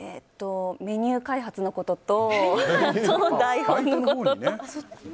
メニュー開発のことと台本のことと。